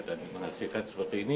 dan menghasilkan seperti ini